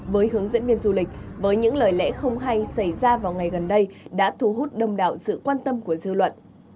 với hướng dẫn viên du lịch với những lời lẽ không hay xảy ra vào ngày gần đây đã thu hút đông đạo sự quan tâm của dư luận